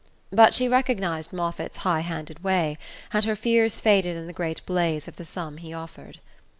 But she recognized Moffatt's high handed way, and her fears faded in the great blaze of the sum he offered.